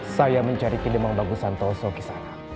saya mencari kelemah bagusan toh soki sana